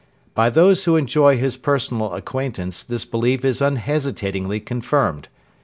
By those who enjoy his personal acquaintance this belief is unhesitatingly confirmed.